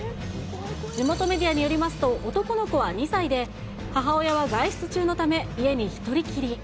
地元メディアによりますと、男の子は２歳で、母親は外出中のため、家に１人きり。